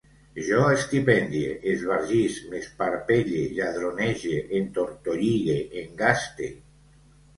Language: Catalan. Jo estipendie, esbargisc, m'esparpelle, lladronege, entortolligue, engaste